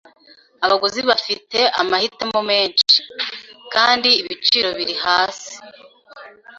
abaguzi bafite amahitamo menshi, kandi ibiciro biri hasi